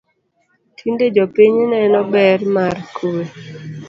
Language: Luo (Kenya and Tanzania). Tinde jopiny neno ber mar kwe